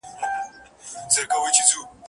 نن هغه ماشه د ورور پر لور كشېږي